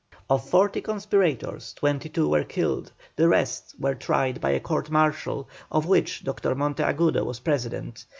Of forty conspirators twenty four were killed, the rest were tried by a court martial, of which Dr. Monteagudo was President.